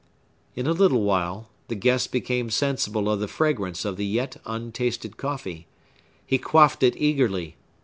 In a little while the guest became sensible of the fragrance of the yet untasted coffee. He quaffed it eagerly.